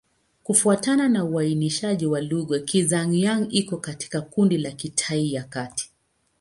Kufuatana na uainishaji wa lugha, Kizhuang-Yang iko katika kundi la Kitai ya Kati.